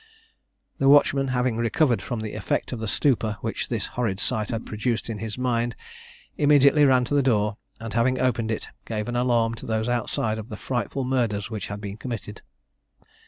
The watchman, having recovered from the effect of the stupor which this horrid sight had produced in his mind, immediately ran to the door, and having opened it gave an alarm to those outside of the frightful murders which had been committed.